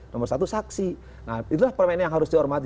nomor satu saksi nah itulah permainan yang harus dihormati